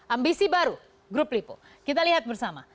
ambisi baru grup lipo kita lihat bersama